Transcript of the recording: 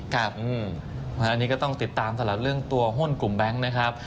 ครับอันนี้ก็ต้องติดตามสำหรับเรื่องตัวห้นกลุ่มแบงค์นะครับ